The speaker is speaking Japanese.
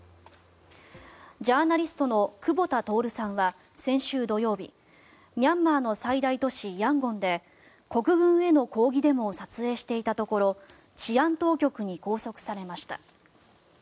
ジャーナリストの久保田徹さんは先週土曜日ミャンマーの最大都市ヤンゴンで国軍への抗議デモを撮影していたところ治安当局に拘束されました。